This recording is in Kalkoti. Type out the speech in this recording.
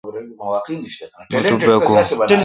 مہ تو باکو۔